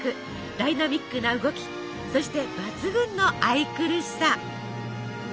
ダイナミックな動きそして抜群の愛くるしさ。